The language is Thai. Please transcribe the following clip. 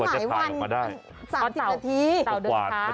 โอ้ยหลายวัน๓๐นาที